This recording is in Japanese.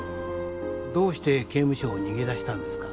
どうして刑務所を逃げ出したんですか？